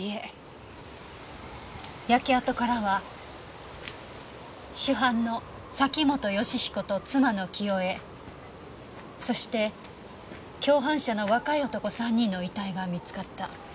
焼け跡からは主犯の崎本善彦と妻の清江そして共犯者の若い男３人の遺体が見つかった。